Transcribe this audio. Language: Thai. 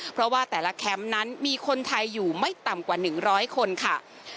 เพราะว่าแต่ละแคมป์นั้นมีคนไทยอยู่ไม่ต่ำกว่า๑๐๐คนค่ะ